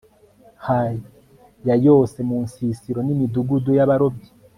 ha ya yose mu nsisiro n imidugudu y abarobyi